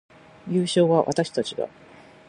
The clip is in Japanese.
優勝は私たちだ